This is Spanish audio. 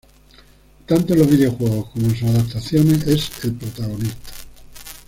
Tanto en los videojuegos como en sus adaptaciones, es el protagonista.